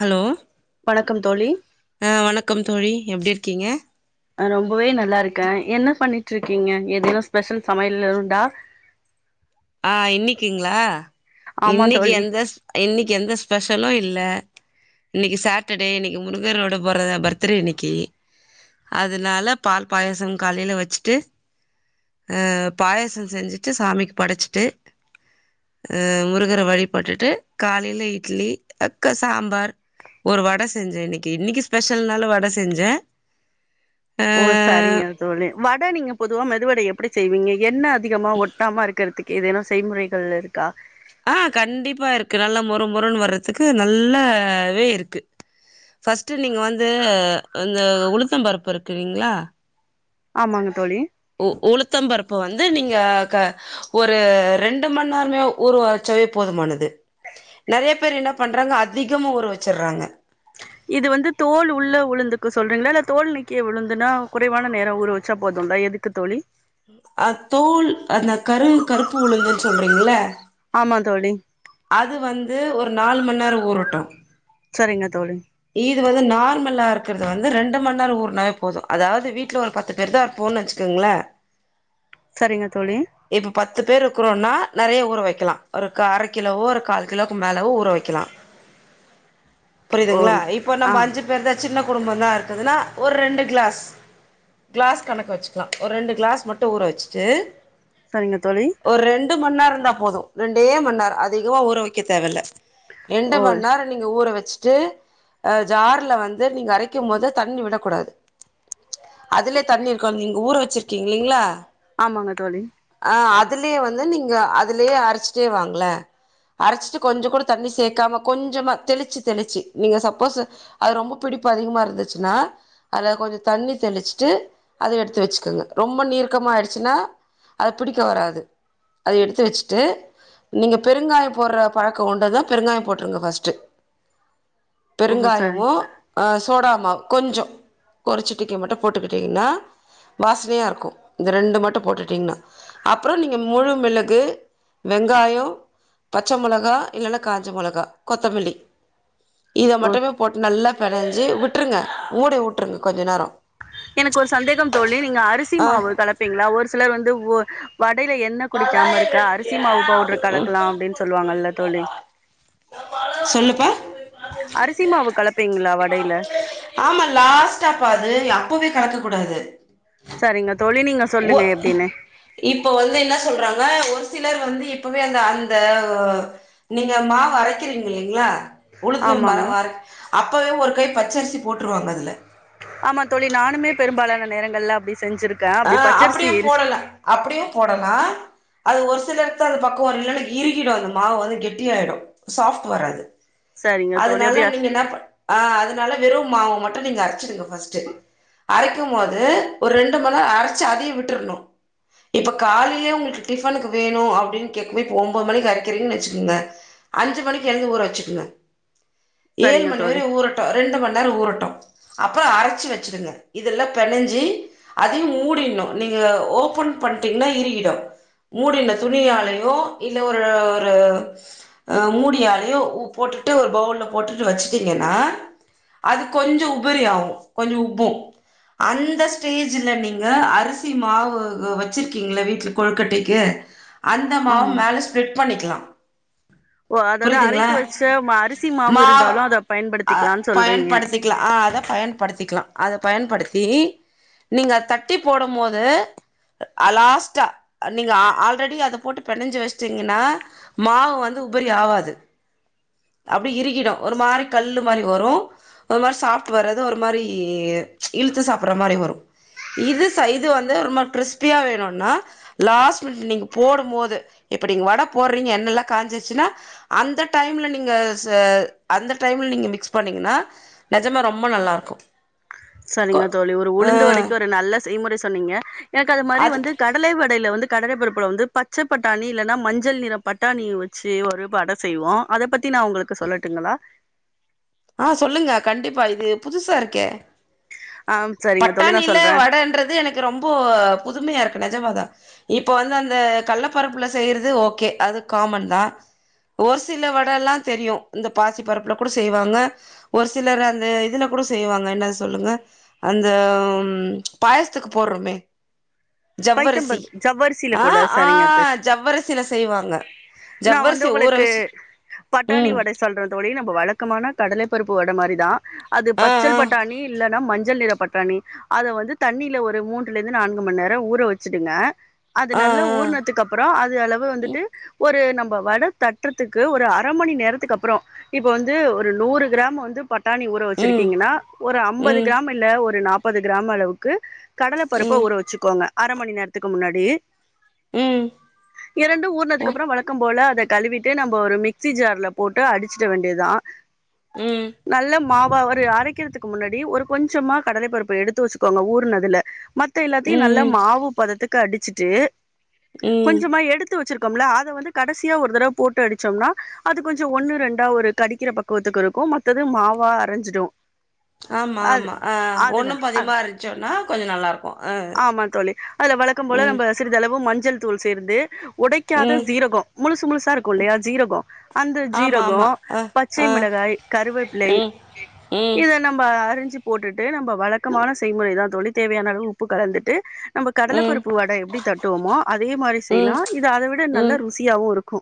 Hello வணக்கம் தோழி அ வணக்கம் தோழி எப்டிருக்கீங்க ரொம்பவே நல்லாருக்கே என்ன பண்ணிட்டு இருக்கீங்க எதேனு ஸ்பெஷல் சமையல் எது உண்டா ஆ இன்னைக்குங்ளா ஆமா இன்னைக்கு தோழி எந்த இன்னைக்கு எந்த ஸ்பெஷலு இல்ல இன்னைக்கு சாட்டர்டே இன்னைக்கு முருகரோட போறத பர்த்டே இன்னைக்கு அதனால பால் பாயச காலைல வச்சிட்டு ம் பாயச செஞ்சுட்டு சாமிக்கு படைச்சிட்டு அ முருகர வழி பட்டுட்டு காலைல இட்லி அக்க சாம்பார் ஒரு வட செஞ்ச இன்னைக்கு, இன்னைக்கு ஸ்பெஷல்னால வட செஞ்ச ஓ சரிங்க தோழி வட நீங்க பொதுவா மெதுவட எப்டி செய்வீங்க எண்ணெ அதிகமா ஒட்டாம இருக்குறதுக் ஏதேனு செய்முறைகள் இருக்கா ஆ கண்டிப்பா இருக்கு நல்ல மொறு மொறுன் வர்றதுக்கு நல்லாவே இருக்கு ஃபர்ஸ்ட்டு நீங்க வந்து இந்த உளுத்த பருப்பு இருக்கு இல்லைங்ளா ஆமாங்க தோழி உ உளுத்த பருப்பு வந்து நீங்க ஆ க ஒரு ரெண்டு மணி நேரமே ஊரவச்சாவே போதுமானது நெறய பேர் என்ன பண்றாங்க அதிகமா ஊற வச்சுர்றாங்க இது வந்து தோல் உள்ள உளுந்துக்கு சொல்றீங்ளா இல்ல தோல் நீக்கிய உளுந்துன்னா குறைவான நேர ஊற வச்சா போதுல்ல எதுக் க்க தோழி அ தோல் அந்த கருங் கருப்பு உளுந்துன்னு சொல்றீங்கள ஆமா தோழி அது வந்து ஒரு நாலு மணிநேர ஊறட்டு சரிங்க தோழி இது வந்து நார்மலா இருக்குறது வந்து ரெண்டு மணி நேர ஊர்னாவே போது அதாவது வீட்ல ஒரு பத்து தெரிதாபோன் வச்சுகங்ளே சரிங்க தோழி இப்ப பத்து பேர் இருக்குறோனா நெறய ஊற வைக்கலா ஒரு அரை கிலோவோ ஒரு கால் கிலோக்கு மேலவோ ஊற வைக் க்கலா ஓ புரியுதுங்ளா இப்போ ஆ நம்ம அஞ்சு இவர்தா சின்ன குடும்பதா இருக்குதுனா ஒரு ரெண்டு கிளாஸ் கிளாஸ் கணக்கு வச்சிக்கலா ஒரு ரெண்டு கிளாஸ் மட்டு ஊற வச்சுட்டு சரிங்க தோழி ஒரு ரெண்டு மணி நேர இருந்தா போது ரெண்டே மணி நேர அதிகமா ஊற வைக்க தேவல்ல ரெண்டு ஓ மணி நேர நீங்க ஊற வச்சுட்டு ஜார்ல வந்து நீங்க அரைக்கு போது தண்ணி விடக்கூடாது அதுலயே தண்ணி இருக்கு நீங்க ஊற வச்சிருக்கீங்கல்லங்ளா ஆமாங்க தோழி அ அதுலயே வந்து நீங்க அதுலயே அரைச்சிட்டே வாங்களே அரைச்சிட்டு கொஞ்சோ கூட தண்ணி சேர்க்காம கொஞ்சோமா தெளிச்சு தெளிச்சு நீங்க சப் போசு அது ரொம்ப பிடிப்பு அதிகமா இருந்துச்சுன்னா அதுல கொஞ்சோ தண்ணி தெளிச்சுட்டு அதை எடுத்து வச்சுக்கோங்க ரொம்ப நீர்க்கமா ஆயிடுச்சுன்னா அத புடிக்க வராது அதை எடுத்து வச்சுட்டு நீங்க பெருங்காய போடுற பழக்க உண்டு தா பெருங்காய போட்ருங்க ஃபர்ஸ்ட்டு ஓ சரி பெருங்காயமு அ சோடாமாவ் கொஞ்சோ ஒரு சிட்டிகை மட்டு போட்டுக்கிட்டீங்கனா வாசனையா இருக்கு இந்த ரெண்டு மட்டு போட்டுட்டீங்ன்னா அப்பற நீங்க முழு மிளகு வெங்காய பச்ச மொளகா இல்லைன்னா காஞ்ச மொளகா கொத்தமல்லி இத ஓ மட்டுமே போட்டு நல்லா பினைஞ்சி விட்ருங்க மூடி விட்ருங்க கொஞ்சோ நேர எனக்கு ஒரு சந்தேகம் தோழி நீங்க அரிசி ஆ மாவு கலப்பீங்ளா ஒரு சிலர் வந்து ஒ வடையில என்ன குடிக்காம இருக்க அரிசி மாவு பவுடர் ம் கலக்கலாம் அப்டின்னு சொல்லுவாங்கல்ல தோழி த ப சொல்லுப்பா அரிசி மாவு கலப்பீங்களா வடையில ஆமா லாஸ்ட்டாப்பா அது அப்பவே கலக்க கூடாது சரிங்க தோழி நீங்க சொல்லுங்க எப்டின்னு இப்போ வந்து என்ன சொல்றாங்க ஒரு சிலர் வந்து இப்பவே அந்த அந்த வ நீங்க மாவு அரைக்கிறீங்க இல்லைங்கலா உளுத்துலும் ஆமாங்க மாவு அற அப்பவே ஒரு கை பச்சரிசி போட்டுருவாங்க அதுல ஆமா தோழி நானுமே பெரும்பாலான நேரங்கள்ல அப்டி செஞ்சிருக் ஆ அப்டியும் போடலாம் அப்டியும் போடலா அது ஒரு சில இடத்த அது பக்குவம் இல்லனுவை இருக்கிடும் அந்த மாவை வந்து கெட்டியா ஆயிடும் சாப்ட் வராது சரிங்க தோழி அதனால அப்டியா நீங்க என்ன பன் ஆ அதனால வெறும் மாவு மட்டும் நீங்க அரைச்சடுங்க பஸ்ட்டு அரைக்கும் போது ஒரு ரெண் ட்டு போதே அரைச்சு அதையும் விட்டுருணும் இப்ப காலையே உங்களுக்கு டிஃபனுக்கு வேணும் அப்டின்னு கேட்க போய் இப்போ ஒன்பது மணிக்கு அரைக்கிறீங்கன்னு வச்சுக்கோங்க அஞ்சு மணிக்கு எழுந்து ஊற வச்சுக்கங்க ஏழு சரிங்க மணி தோழி வரை ஊரட் ரெண்டு மண்நேரம் ஊரட்டும் அப்பறம் அரைச்சு வச்சுடுங்க இதெல்லாம் பெனைஞ்சி அதையும் மூடினும் நீங்க ஓபன் பண்ணிட்டீங்கன்னா இருகிடும் மூடின துணியாலையோ இல்ல ஒரு ஒரு மூடியாலயும் போட்டுட்டு ஒரு பவுல்ல போட்டுட்டு வச்சுட்டீங்கன்னா அது கொஞ்சம் உபரி ஆகும் கொஞ்சம் உப்பும் அந்த அந்த ஸ்டேஜ்ல நீங்க அரிசி மாவு வச்சிருக்கிங்கல வீட்ல கொழுக்கட்டைக்கு அந்த ஆமா மாவும் மேலே ஸ்ப்பிரட் பண்ணிக்கலா ஓ அதாவது அரைத்து வச்ச அரிசி மாவு மாவ் இருந்தாலும் அத அ பயன்படுத்திக்கலான்னு சொல்றீங்க பயன்படுத்திக்கலா ஆ அத பயன்படுத்திக்கலாம் அத பயன்படுத்தி நீங்க தட்டி போடும் போது ஆ லாஸ்ட்டா நீங்க ஆல்ரெடி அத போட்டு பெனஞ்சு வச்சிட்டீங்கன்னா மாவு வந்து உபரி ஆவாது அப்டி இருக்கிடும் ஒரு மாரி கல்லு மாரி வரும் ஒரு மாரி சாப்ட்டு வராது ஒரு மாரி இழுத்து சாப்பற மாரி வரும் இது சைது வந்து ரொம்ப கிறிஸ்பியா வேணும்னா லாஸ்ட் மினிட் நீங்க போடும் போது இப்ப நீங்க வடை போடுறீங்க என்னெல்லாம் காஞ்சிச்சுன்னா அந்த டைம்ல நீ நீங்க ச அந்த டைம்ல நீங்க மிக்ஸ் பண்ணீங்கன்னா நஜமா ரொம்ப நல்லா இருக்கும் சரிங்க தோழி ஒரு உளுந்து வடைக்கு ஒரு நல்ல செய்முறை சொன்னீங்க எனக்கு அது மாரி வந்து அதுக்கு கடலை வடையில வந்து கடலபருப்புல வந்து பச்சை பட்டணி இல்லன்னா மஞ்சள் நிற பட்டாணி வச்சு ஒரு வட செய்வோம் அத பத்தி நா உங்களுக் க்கு சொல்லட்டுங்களா ஆ சொல்லுங்க கண்டிப்பா இது புதுசா இருக்கே ஆ சரிங்க தோழி நான் பட்டாணியில சொல்றேன். வடைன்றது எனக்கு ரொம்ப புதுமையா இருக்கு நஜமாதா இப்ப வந்து அந்த கள்ளப்பருப்புல செய்யறது ஓகே அது காமன் தா ஒரு சில வடல்லாம் தெரியும் இந்த பாசி பருப்பில் கூட செய்வாங்க ஒரு சிலர் அந்த இதுல கூட செய்வாங்க என்ன சொல்லுங்க அந்த பாயசத்துக்கு போடுறோமே பைத்தம் ஜவ்வரிசி பருப்பு ஜவ்வரிசியில ஆ கூட ஆ சரிங்க தோழி. ஜவ்வரிசில செய்வாங்க நான் ஜவ்வரிசிய ஊற வெச்சு ம் சொல்றே தோழி நம்ம வழக்கமான கடலை பருப்பு வட மாரிதா அது ஆ ஆ பச்சல்பட்டாணி இல்லன்னா மஞ்சள் நிற பட்டாணி அத வந்து தண்ணீல ஒரு மூன்றுல இருந்து நான்கு மண்நேரோ ஊற வெச்சிடுங்க அது ஆ ஆ நல்லா ஊர்னதுக்கு அப் அப்புறோ அது அளவு வந்துட்டு ஒரு நம்ம வட தட்டுறதுக்கு ஒரு அர மணி நேரத்துக்கு அப்புறோ இப்ப வந்து ஒரு நூறு க்ராம் வந்து பட்டாணி ஊ ற ம் வெச்சிருக்கீங்கன்னா ஒரு அம்பது ம் க்ராம் இல்ல ஒரு நாப்பது க்ராம் அளவுக்கு கடல பருப்ப ம் ஊற வெச்சுக்கோங்க அர மணி நேரத்துக்கு முன்னாடி ம் இரண்டு ஊற்னதுக்கு ம் அப்புறோ வழக்கம்போல அத கழுவிட்டு நம்ம ஒரு மிக்சி ஜார்ல போட்டு அடிச்சிட வேண்டிதா ம் நல்ல மாவாவ ஒரு அரைக்கிறதுக்கு முன்னாடி ஒரு கொஞ்சமா கடலை பருப்பு எடுத்து வெச்சுக்கோங்க ஊறுனதுல து எல்லாத்தியு நல்லா ம் மாவு பதத்துக்கு அடிச்சுட்டு ம் ம் கொஞ்சமா எடுத் து வெச்சிருக்கோம்ல அத வந்து கடசியா ஒரு தடவ போட்டு அடிச்சோம்னா அது கொஞ்சோ ஒன்னு ரெண்டா ஒரு கடிக்கிற பக் கோத்துக்கு இருக்கு மத்தது மாவா அரைஞ்சுடு ஆமா ஆமா ஆ ஒன்னு அ பாதியுமா அரச்சோன்னா கொஞ்சோ நல்லா இருக்கு ஆ ஆமா தோழி அத வழக்கபோல ம் நம்ப சிறிதளவு மஞ்சள்தூள் சேர்ந்து உடைக்காத ம் சீரகோ முழுசு முழுசா இருக்குல்லயா ஜீரகோ அந்த ஆமா ஜீரகோ ஆமா ஆ பச்சை ஆ மிளகாய் கருவேப்பிலை ம் ம் இத நம்ம அறிஞ்சு போட்டுட்டு நம்ப வழக்கமான செய்முறைதா தோழி தேவையான அளவு உப்பு கலந்துட்டு நம்ம ம் கடலப்பருப்பு வட எப்டி தட்டுவோமோ அதே மாரி செய்லா ம் இது அத விட நல்ல ருசியாவு இருக்கு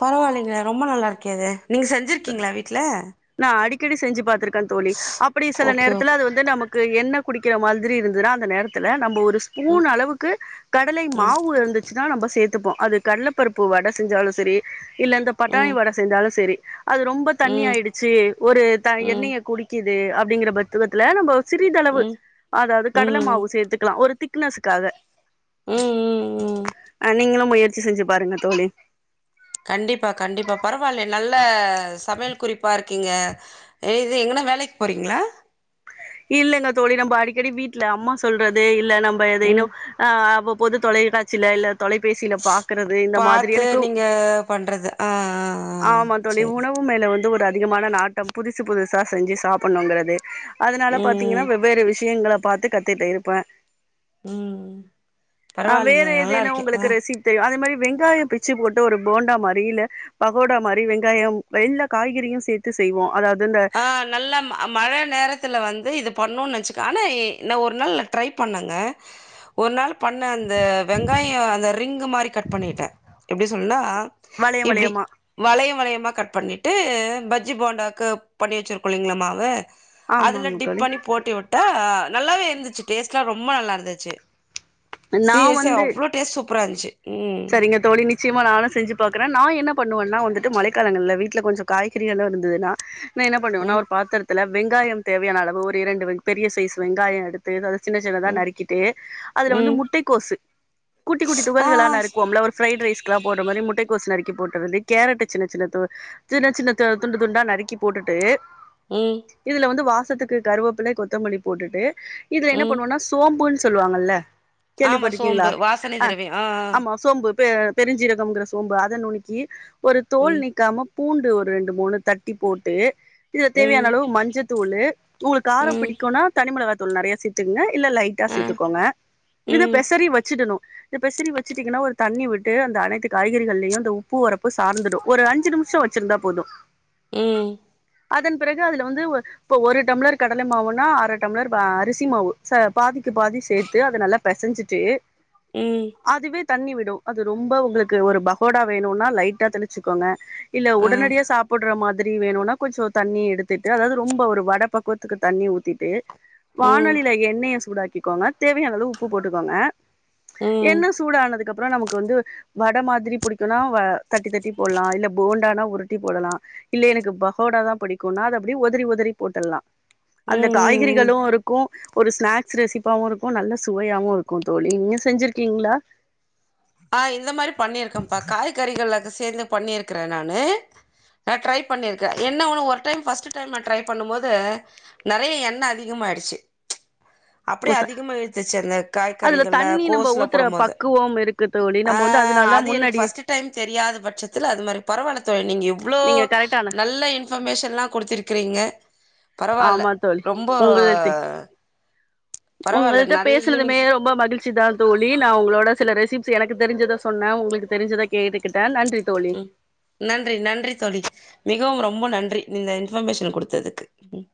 பரவால்லைங்க ரொம்ப நல்லா இருக்கே அது நீங்க செஞ்சுருக்கீங்களா வீட்ல நா அடிக்கடி செஞ்சு பாத்துருக்கே தோழி அப்டி சில ஓகே நேரத்துல ஓகே அது வந்து நமக் க்கு என்ன குடிக்கிற மாதிரி இருந்ததுன்னா அந்த நேரத்துல நம்ப ஒரு ஸ் ம் பூன் அளவுக்கு கடலை ம் மாவு இருந்து ச்சுனா நம்ம சேத்துப்போ அது கடல பருப்பு வட செஞ்சாலு செரி இல்ல இந்த பட்டாணி ம் வட செஞ்சாலு செரி அது ரொம்ப ம் தண்ணியாய்டுச்சு ஒரு த ம் எண்ணெயை குடிக்கித் து அப்டிங்கிற பக்குவத்துல நம்ப சிறிதளவு ம் ம் அதாவ்து கடல ம் மாவு சேத்துக்கலா ஒரு திக் னஸ்காக ம் ம் அ நீங்களு முயற்சி செஞ்சு பாருங்க தோழி கண்டிப்பா கண்டிப்பா பரவால்ல நல்ல சமையல் குறிப்பா இருக்கீங்க இது எங்கனா வேலைக் போறீங்களா இல்லங்க தோழி நம்ம அடிக்கடி வீட்ல அம்மா சொல்றது இல்ல நம்ம ஏதேன்னு ம் ஆ அப்போ பொது தொலைக்காட்சில இல்ல தொலைபேசில பாக்கறது இந்த மாதிரி பாத்து எனக்கு நீங்க பண்றது ஆ ஆ ஆ ஆமா தோழி செரி உணவு மேல வந்து ஒரு அதிகமான நாட்டம் புதுசு புதுசா செஞ்சு சாப்புட்ணுங்கறது அதனால ம் பாத்தீங்கன்னா வெவ்வேறு விஷயங்கள பாத்து கத்துட்டு இருப்பே ம் அ வேற பரவாயில்லைங்களே நல்லா ஏதேனு இருக்கே ஆ உங்களுக்கு ரெசிப் தெரியு அதே மாரி வெங்காயோ பிச்சு போட்டு ஒரு போண்டாமாரி இல்ல பகோடாமாரி வெங்காயோ எல்லா காய்கறியு சேத்து செய்வோ அதாவ்து இந்த நல்ல மழ நேரத்துல வந்து இது பண்ணுன் நேச்சுக்க ஆனா நா ஒரு நாள் ட்ரை பண்ணங்க ஒரு நாள் பண்ண அந்த வெங்காயோ அந்த ரிங்கு மாரி கட் பண்ணிட்டே எப்டி சொல்னுனா வளைய இப்டி வளையமா வளையோ வளையமா கட் பண்ணிட்டு பஜ்ஜி போண்டாக்கு பண்ணி வெச்சிருக்கோ இல்லைங்ளா மாவ அதுல ஆமாங்க டிப் தோழி பண்ணி போட்டி வுட்டா நல்லாவே இருந்துச்சு டேஸ்ட்லா ரொம்ப நல்லா இருந்துச்சு நா சி எஸ் சி அவ்ளோ டேஸ்ட் சூப்ரா இருந்துச்சு ம் சேரிங்க தோழி நிச்சயமா நானு செஞ்சு பாக்குறே நா என்ன பண்ணுவன்னா வந்துட்டு மழைக்காலங்கள்ல வீட்ல கொஞ்ச காய்கறிகள் எல்லா இருந்ததுன்னா என்ன பண்ணுவன்னா ம் ஒரு பாத்ரத்துல வெங்காயம் தேவையான அளவு ஒரு இரண்டு பெரிய சைஸ் வெங்காய எடுத் தேதா சின்ன சின்னத ம் நறுக்கிட்டு அதுல வந்து ம் முட்டை கோசு குட்டி குட்டி ஆ துகள்களா நறுக் ஒரு ஃபிரைட் ரைஸ்கில்லா போட்ற மாரி முட்டைகோசு நறுக்கி போட்டரது கேரட்டு சின்ன சின்னதா சின்ன சின்ன துண்டு துண்டா நறுக்கி போட்டுட்டு ம் இதுல வந்து வாசத்துக்கு கருவப்பில கொத்தமல்லி போட்டுட்டு இதுல என்ன ம் பண்ணுவோனா சோம்புன் சொல்லுவாங்கல்ல ஆமா கேள்விப்பட்டிருக்கீங்களா சோம்பு வாசனை திறவியோ அ ஆமா சோம்பு பெ பெருஞ்சீரகம்ங்கிற சோம்ப அத நுணுக்கி ஒரு தோல் ம் நீக்காம பூண்டு ஒரு ரெண்டு மூணு தட்டி போட்டு இது தேவையான ம் அளவு மஞ்ச தூளு உங்களுக் காரோ ம் பிடிக்குனா தனி மிளகா தூள் நெறைய சேத்துங்க இல்ல லைட் டா ஆ சேத்துக்கோங்க இத ம் பெசறி வச்சிடணு இத பெசறி வச் வச்சுட்டீங்கன்னா ஒரு தண்ணி விட்டு அந்த சிட்டிங்கனா ஒரு தண்ணி விட்டு அனைத்து காய்கறிகள்லயு இந்த உப்பு உரப்பு சார்ந்துடு ஒரு அஞ்சு நிம்ஷோ வச்சிருந்தா போது ம் அதன் பிறகு அதுல வந்து இப்போ ஒரு டம்ளர் கடல மாவுன்னா அர டம்ளர் அரிசி மாவு ச பாதிக்கு பாதி சேர்த்து அது நல்லா பெசஞ்சிட்டு ம் அதுவே தண்ணி விடு அது ரொம்ப உங்குளுக்கு ஒரு பகோடா வேணுனா லைட்டா தெளிச்சுக்கோங்க இல்ல ஆ உடனடியா சாப் போடுற மாதிரி வேணுனா கொஞ்சோ தண்ணி எடுத்துட்டு அதாவது ரொம்ப ஒரு வட பக்குவத்துக்கு தண்ணி ஊத்திட்டு ம் வாணலியில எண்ணெய சூடாக்கிக்கோங்க தேவையான அளவு உப்பு போட்டுக்கோங்க ம் ம் எண்ணெ சூடானதுக்கு அப்புறோ நமக்கு வந்து வட மாதிரி புடிக்குனா வ தட்டி தட்டி போட்லா இல்ல போண்டானா உருட்டி போடலா இல்ல எனக்கு பகோட தா பிடிக்குனா அத அப்டே உதரி உதரி போட்டர்லா அந்த ம் ம் காய்கறிகளு இருக்கு ஒரு ஸ்நாக்ஸ் ரெசிப்பாவு இருக்கு நல்ல சுவையாவு இருக்கு தோழி நீங்க செஞ்சிருக்கீங்ளா அ இந்த மாரி பண்ணியிருக்கேன்ப்பா காய்கறிகள்ல அது சேர்ந்து பண்ணியிருக்கற நானு அ ட்ரை பண்ணியிருக்க என்ன ஒன்னு ஒரு டைம் ஃபஸ்ட்டு டைம் நா ட்ரை பண்ணும்போது நறைய எண்ணெ அதிகமாயிடுச்சு அப்டியே அதிகமா இழுத்துச்சு அந்த அதுல காய்கறிகள்ல தண்ணி நம்ம கோசுல ஊத்துற போடம் போது பக்குவம் இருக்கு தோழி ஆ நம்ம வந்து அதனால் தா அது எனக்கு முன்னாடி ஃபஸ்ட்டு டைம் தெரியாத பட்சத்துல அது மாரி பரவாயில்ல தோழி நீங்க இவ்ளோ நீங்க கரெக்டான நல்ல இன் இன்ஃபர்மேஷன்லா கொடுத்துருக்கிறீங்க ஆமா தோழி உங்கள்ட்டு பரவால்ல உங்கள்ட்ட நெறைய பேசுனதுமே ஈவினிங் ரொம்ப மகிழ்ச் சி தா தோழி நா உங்களோட சில ரெசிப்ஸ் எனக்கு தெரிஞ்சத சொன்ன உங்களுக்கு தெரிஞ்சத கேட்டுக்கிட்டே நன்றி தோழி ம் நன்றி நன்றி தோழி மிகவு ரொம்ப நன்றி இந்த இன்ஃபர்மேஷன் குடுத்ததுக்கு ம்